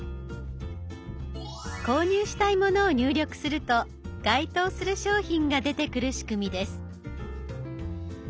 購入したいものを入力すると該当する商品が出てくる仕組みです。